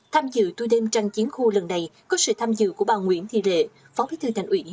tham dự tour đêm trăng chiến khu lần này có sự tham dự của bà nguyễn thị rệ phó bí thư thành ủy